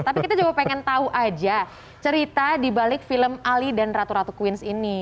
tapi kita juga pengen tahu aja cerita di balik film ali dan ratu ratu queens ini